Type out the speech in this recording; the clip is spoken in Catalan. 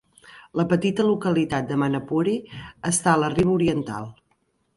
La petita localitat de Manapouri està a la riba oriental.